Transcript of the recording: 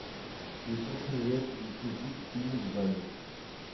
Il est ancien élève du lycée Jules-Simon de Vannes.